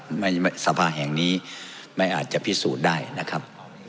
ในสภาแห่งนี้ไม่อาจจะพิสูจน์ได้นะครับ